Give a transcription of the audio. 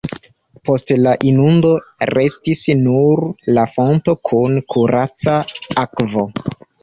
Post la inundo restis nur la fonto kun kuraca akvo.